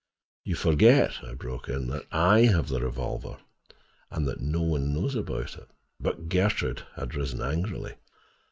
"You forget," I broke in, "that I have the revolver, and that no one knows about it." But Gertrude had risen angrily.